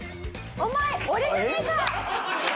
お前俺じゃねーか！」